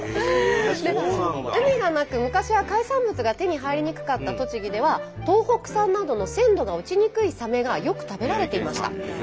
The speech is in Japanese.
海がなく昔は海産物が手に入りにくかった栃木では東北産などの鮮度が落ちにくいサメがよく食べられていました。